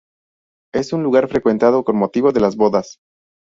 Es un lugar frecuentado con motivo de las bodas.